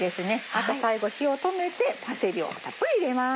あと最後火を止めてパセリをたっぷり入れます。